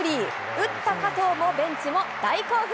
打った加藤もベンチも大興奮！